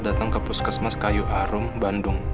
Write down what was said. datang ke puskesmas kayu arum bandung